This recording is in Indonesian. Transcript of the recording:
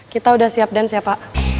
kita udah siap dan siapa